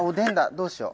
どうしよう。